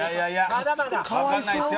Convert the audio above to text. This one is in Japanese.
まだまだ。